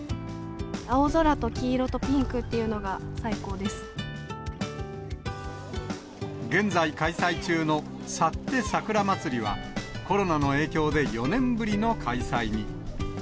青空と黄色とピンクっていうのが現在開催中の幸手桜まつりは、コロナの影響で４年ぶりの開催に。